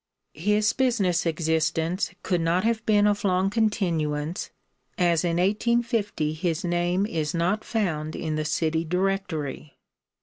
His business existence could not have been of long continuance, as in 1850 his name is not found in the City Directory.